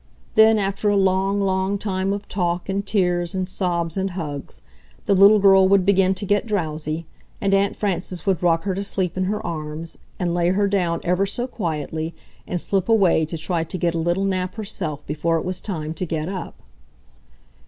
Then, after a long, long time of talk and tears and sobs and hugs, the little girl would begin to get drowsy, and Aunt Frances would rock her to sleep in her arms, and lay her down ever so quietly, and slip away to try to get a little nap herself before it was time to get up.